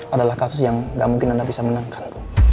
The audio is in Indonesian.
adalah kasus yang gak mungkin anda bisa menangkan